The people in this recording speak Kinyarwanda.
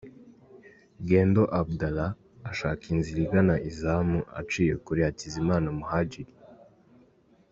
Guindo Abdallah ashaka inzira igana izamu aciye kuri Hakizimana Muhadjili.